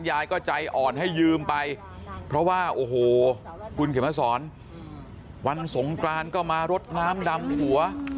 ยายก็ใจอ่อนให้ยืมไปเพราะว่าโอ้โหคุณเขียนมาสอนวันสงกรานก็มารดน้ำดำหัว